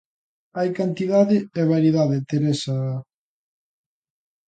Hai cantidade e variedade, Teresa...